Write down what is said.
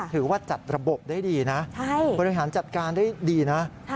ถือว่าจัดระบบได้ดีนะบริหารจัดการได้ดีนะ